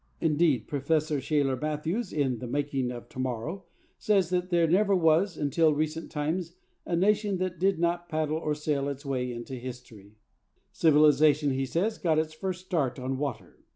Indeed, Professor Shailer Mathews, in The Making of To morrow, says that there never was, until recent times, a nation that did not paddle or sail its way into history. Civilization, he says, got its first start on water.